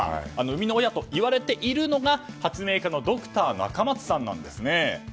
生みの親といわれているのが発明家のドクター・中松さんなんですね。